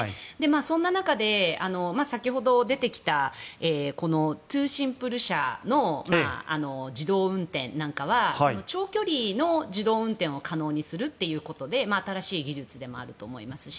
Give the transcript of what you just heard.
そんな中で、先ほど出てきたトゥーシンプル社の自動運転なんかは長距離の自動運転を可能にするということで新しい技術でもあると思いますし